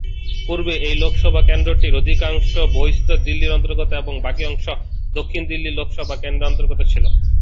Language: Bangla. পূর্বে এই লোকসভা কেন্দ্রটির অধিকাংশ বহিঃস্থ দিল্লির অন্তর্গত এবং বাকি অংশ দক্ষিণ দিল্লি লোকসভা কেন্দ্রের অন্তর্গত ছিল।